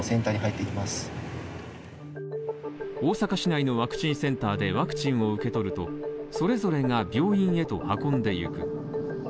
大阪市内のワクチンセンターでワクチンを受け取ると、それぞれが病院へと運んでいく。